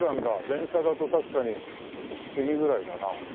電車だと確かに次ぐらいだな。